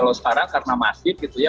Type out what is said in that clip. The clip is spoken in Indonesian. kalau sekarang karena masif gitu ya